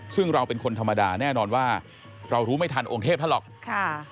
ซึ่งเราเป็นคนธรรมดาแน่นอนว่าเรารู้ไม่ทันองค์เทพท่านหรอกค่ะ